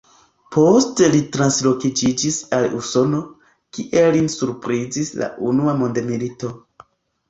Poste li transloĝiĝis al Usono, kie lin surprizis la unua mondmilito.